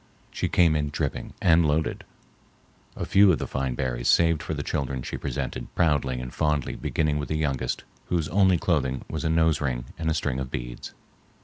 She came in dripping and loaded. A few of the fine berries saved for the children she presented, proudly and fondly beginning with the youngest, whose only clothing was a nose ring and a string of beads.